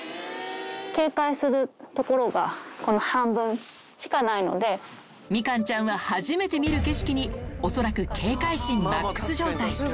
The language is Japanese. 警戒するところがこの半分しかなみかんちゃんは初めて見る景色に、恐らく警戒心マックス状態。